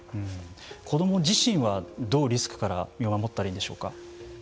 子ども自身はどうリスクから身を守ったらいいんでしょうか。